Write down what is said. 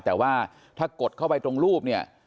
แต่ว่าถ้ากดเข้าไปตรงรูปเนี่ย